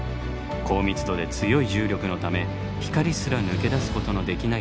高密度で強い重力のため光すら抜け出すことのできない天体です。